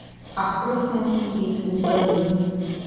A chrup musí být úplný.